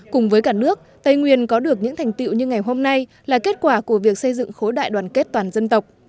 cùng với cả nước tây nguyên có được những thành tiệu như ngày hôm nay là kết quả của việc xây dựng khối đại đoàn kết toàn dân tộc